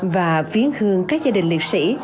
và viến hương các gia đình liệt sĩ